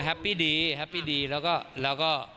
เฮ้อแฮปปี้ดีแล้วก็